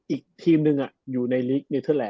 อีกทีมนึงอยู่ในลิกนี่แหละ